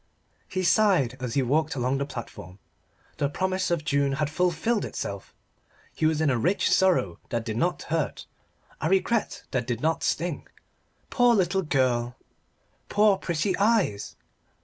He sighed as he walked along the platform. The promise of June had fulfilled itself: he was rich in a sorrow that did not hurt a regret that did not sting. Poor little girl! Poor pretty eyes!